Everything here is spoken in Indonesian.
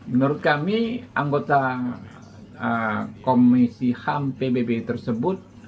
menurut kami anggota komisi ham pbb tersebut